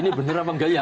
ini bener apa enggak ya